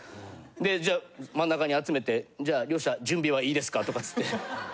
で真ん中に集めて「じゃあよっしゃ。準備はいいですか？」とかつって。